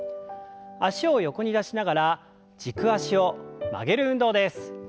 脚を横に出しながら軸足を曲げる運動です。